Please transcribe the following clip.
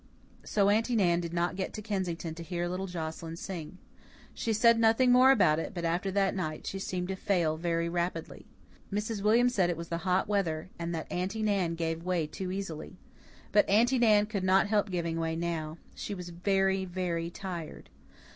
So Aunty Nan did not get to Kensington to hear little Joscelyn sing. She said nothing more about it but after that night she seemed to fail very rapidly. Mrs. William said it was the hot weather, and that Aunty Nan gave way too easily. But Aunty Nan could not help giving way now; she was very, very tired.